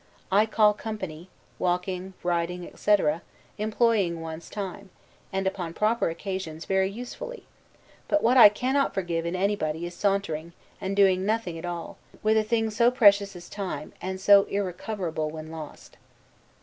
I call company, walking, riding, etc., employing one's time, and, upon proper occasions, very usefully; but what I cannot forgive in anybody is sauntering, and doing nothing at all, with a thing so precious as time, and so irrecoverable when lost.